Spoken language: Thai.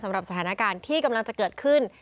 สำหรับสถานการณ์ที่กำลังจะเกิดขึ้น